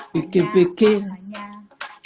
pikir pikir apanya banyak